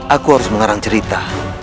aku harus mengarang cerita